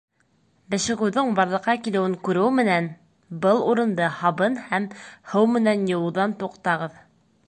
Бешегеүҙең барлыҡҡа килеүен күреү менән, был урынды һабын һәм һыу менән йыуыуҙан туҡтағыҙ.